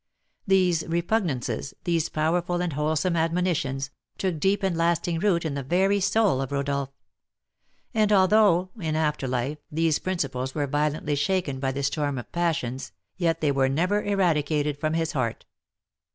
These repugnances, these powerful and wholesome admonitions, took deep and lasting root in the very soul of Rodolph; and although, in after life, these principles were violently shaken by the storm of passions, yet they were never eradicated from his heart.